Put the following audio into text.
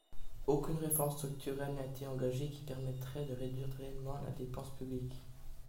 Aucune réforme structurelle n’a été engagée qui permettrait de réduire réellement la dépense publique.